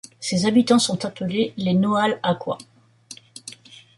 Ses habitants sont appelés les Noalhacois.